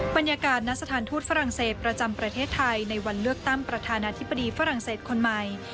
ณสถานทูตฝรั่งเศสประจำประเทศไทยในวันเลือกตั้งประธานาธิบดีฝรั่งเศสคนใหม่